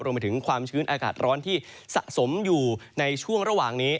รวมไปถึงความชื้นอากาศร้อนที่สะสมอยู่ในช่วงระหว่างนี้